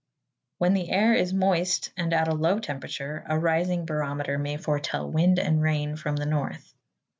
When the air is moist and at a low temperature, a rising barometer may foretell wind and rain from the north.